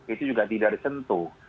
itu juga tidak disentuh